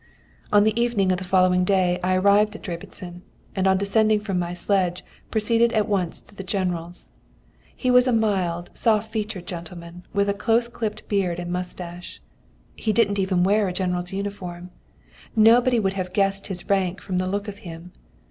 "On the evening of the following day I arrived at Debreczin, and on descending from my sledge, proceeded at once to the General's. He was a mild, soft featured gentleman, with a close clipped beard and moustache. He didn't even wear a General's uniform. Nobody would have guessed his rank from the look of him.